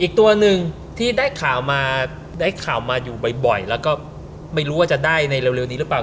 อีกตัวหนึ่งที่ได้ข่าวมาได้ข่าวมาอยู่บ่อยแล้วก็ไม่รู้ว่าจะได้ในเร็วนี้หรือเปล่า